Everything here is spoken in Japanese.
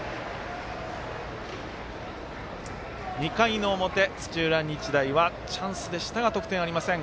２回の表、土浦日大はチャンスでしたが得点ありません。